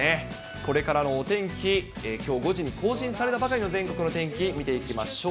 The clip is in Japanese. これからのお天気、きょう５時に更新されたばかりの全国の天気、見ていきましょう。